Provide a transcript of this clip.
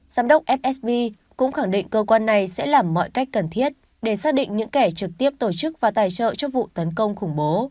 giám đốc fsb cũng khẳng định cơ quan này sẽ làm mọi cách cần thiết để xác định những kẻ trực tiếp tổ chức và tài trợ cho vụ tấn công khủng bố